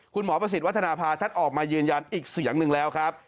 ประสิทธิวัฒนภาท่านออกมายืนยันอีกเสียงหนึ่งแล้วครับ